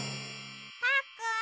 パックン！